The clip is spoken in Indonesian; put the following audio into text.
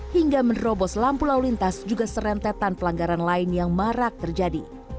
hingga menerobos lampu lalu lintas juga serentetan pelanggaran lain yang marak terjadi